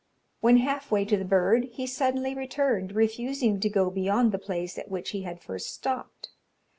When half way to the bird, he suddenly returned, refusing to go beyond the place at which he had first stopped.